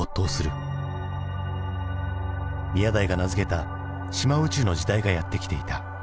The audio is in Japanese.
宮台が名付けた島宇宙の時代がやってきていた。